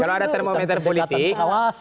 kalau ada termometer politik